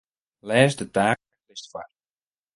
Lês de takelist foar.